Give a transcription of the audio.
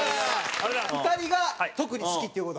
２人が特に好きっていう事？